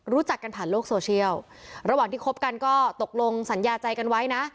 รู้จักกันผ่านโลกโซเชียลระหว่างที่คบกันก็ตกลงสัญญาใจกันไว้นะ